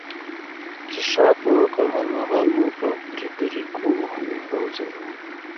څښاک مو وکړ، غالمغال مو وکړ او فرېډریکو مو هم وځوراوه.